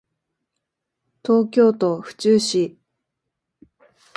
東京都府中市